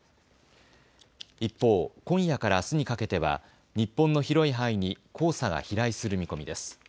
一方、今夜からあすにかけては日本の広い範囲に黄砂が飛来する見込みです。